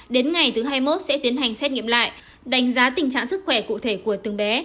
đến ngày thứ hai mươi một sẽ tiến hành xét nghiệm lại đánh giá tình trạng sức khỏe cụ thể của từng bé